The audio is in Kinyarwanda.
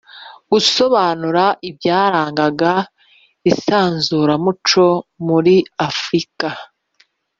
gusobanura ibyarangaga isanzuramuco muri Afurika